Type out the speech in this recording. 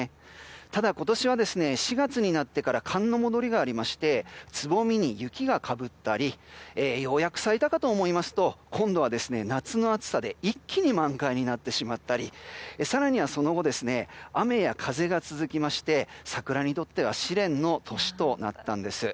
ただ、今年は４月になってから寒の戻りがありましてつぼみに雪がかぶったりようやく咲いたかと思うと今度は夏の暑さで一気に満開になってしまったり更には、その後雨や風が続きまして桜にとっては試練の年となったんです。